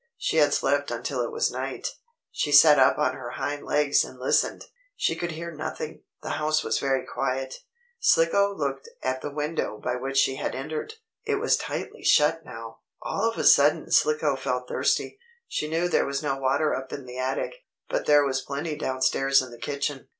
She had slept until it was night. She sat up on her hind legs and listened. She could hear nothing. The house was very quiet. Slicko looked at the window by which she had entered. It was tightly shut now. All of a sudden Slicko felt thirsty. She knew there was no water up in the attic, but there was plenty down stairs in the kitchen.